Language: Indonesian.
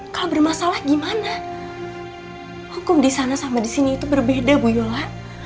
karena sama di sini itu berbeda bu yola